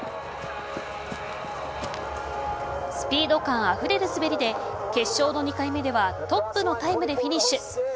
スピード感あふれる滑りで決勝の２回目ではトップのタイムでフィニッシュ。